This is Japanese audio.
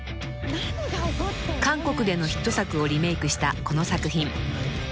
［韓国でのヒット作をリメークしたこの作品］